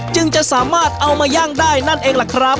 จึงจะสามารถเอามาย่างได้นั่นเองล่ะครับ